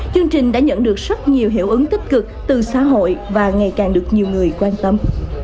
chương trình đã nhận được rất nhiều hiệu ứng tích cực từ xã hội và ngày càng được nhiều người quan tâm